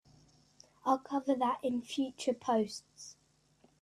I'll cover that in future posts!